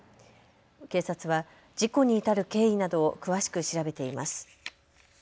警察は事故に至る経緯などを詳しく調べています。